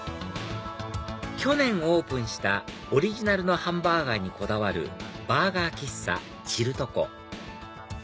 去年オープンしたオリジナルのハンバーガーにこだわるバーガー喫茶チルトコ